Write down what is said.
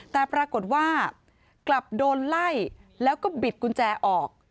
แต่ปรากฏว่ากลับโดนไล่แล้วก็บิดกุญแจออก